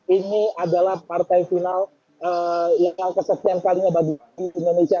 ini adalah partai final yang kesekian kalinya bagi indonesia